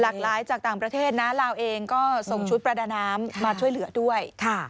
หลากหลายจากต่างประเทศนะลาวเองก็ส่งชุดประดาน้ำมาช่วยเหลือด้วย